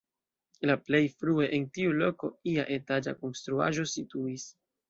La plej frue en tiu loko ia etaĝa konstruaĵo situis.